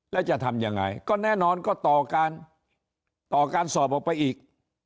แล้วจะทำยังไงก็แน่นอนก็ต่อการต่อการสอบออกไปอีก